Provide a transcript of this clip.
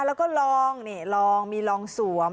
แล้วก็ลองนี่ลองมีลองสวม